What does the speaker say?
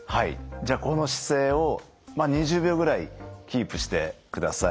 じゃあこの姿勢を２０秒ぐらいキープしてください。